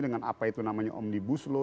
dengan apa itu namanya omnibus law